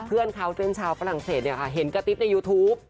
เพื่อนเขาซึ่งชาวฝรั่งเศสเห็นกระติ๊บในยูทูป